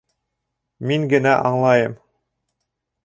Мин генә аңлайым.